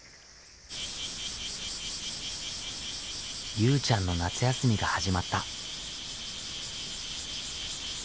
ゆうちゃんの夏休みが始まった。